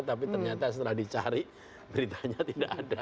tapi ternyata setelah dicari beritanya tidak ada